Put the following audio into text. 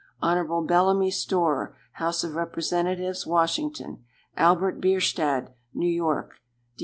Hon. Bellamy Storer, House of Representatives, Washington. Albert Bierstadt, New York.